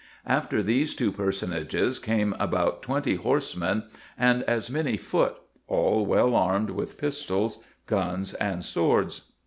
After these two personages came about twenty horsemen and as many foot, all well armed with pistols, guns, and swords.